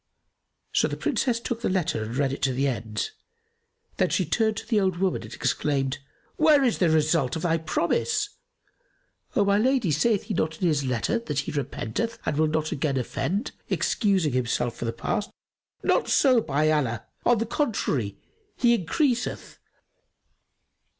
So the Princess took the letter and read it to the end; then she turned to the old woman and exclaimed, "Where is the result of thy promise?" "O my lady, saith he not in his letter that he repenteth and will not again offend, excusing himself for the past?" "Not so, by Allah!: on the contrary, he increaseth."